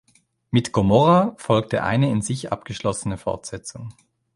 Mit "Gomorrha" folgte eine in sich abgeschlossene Fortsetzung.